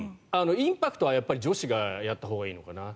インパクトは女子がやったほうがいいのかな。